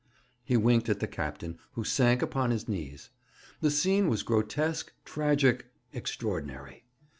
He winked at the captain, who sank upon his knees. The scene was grotesque, tragic, extraordinary.